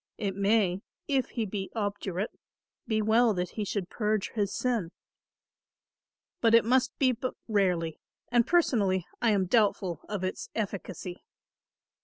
It may, if he be obdurate, be well that he should purge his sin; but it must be but rarely and, personally, I am doubtful of its efficacy.